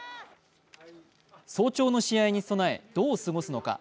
早朝の試合に備えどう過ごすのか。